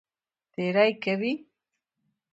تېری کوي.